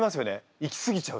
いき過ぎちゃうと。